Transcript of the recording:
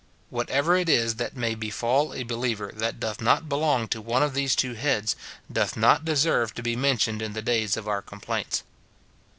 Whatever it is that may befall a believer that doth not belong to one of these two heads, doth not deserve to be mentioned in the days of our complaints.